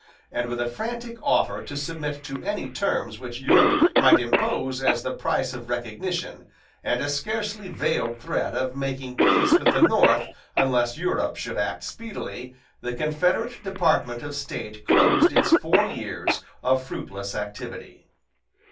And with a frantic offer to submit to any terms which Europe might impose as the price of recognition, and a scarcely veiled threat of making peace with the North unless Europe should act speedily, the Confederate Department of State closed its four years of fruitless activity.